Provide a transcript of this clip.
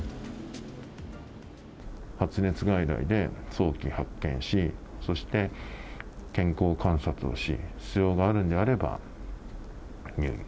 発熱外来で、早期発見し、そして健康観察をし、必要があるんであれば入院。